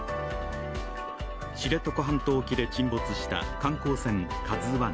知床半島沖で沈没した観光船「ＫＡＺＵⅠ」。